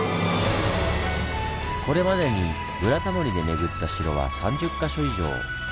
これまでに「ブラタモリ」で巡った城は３０か所以上。